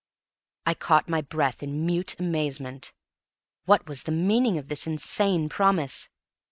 I caught my breath in mute amazement. What was the meaning of this insane promise?